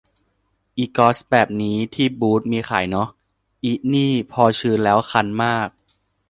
อิกอซแบบนี้ ที่บูตส์มีขายเนอะ อินี่พอชื้นแล้วคันมาก